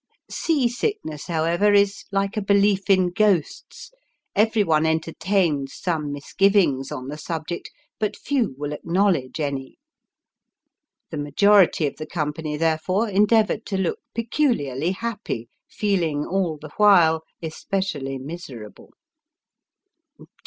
Sea sickness, however, is like a belief in ghosts everyone entertains some misgiv ings on the subject, but few will acknowledge any. The majority of the company, therefore, endeavoured to look peculiarly happy, feeling all the while especially miserable.